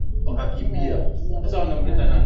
kwamba sio kitu unachojua lakini nani unayemjua